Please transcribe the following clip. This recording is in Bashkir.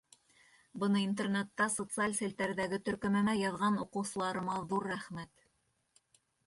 Быны Интернетта социаль селтәрҙәге төркөмөмә яҙған уҡыусыларыма ҙур рәхмәт!